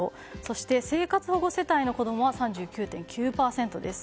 生活保護世帯の子供は３９．９％です。